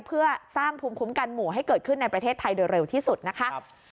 เพื่อสร้างภูมิคุ้มกันหมู่ให้เกิดขึ้นในประเทศไทยโดยเร็วที่สุดนะคะ